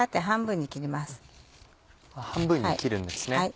半分に切るんですね。